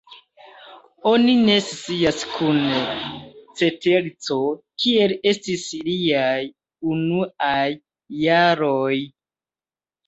Oni ne scias kun certeco kiel estis liaj unuaj jaroj.